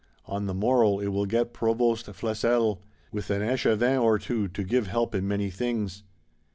On the morrow it will get Provost Flesselles, with an Echevin or two, to give help in many things.